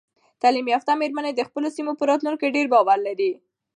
تعلیم یافته میرمنې د خپلو سیمو په راتلونکي ډیر باور لري.